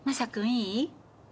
いい？